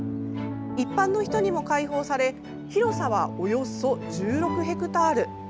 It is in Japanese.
一般の人にも開放され広さはおよそ１６ヘクタール。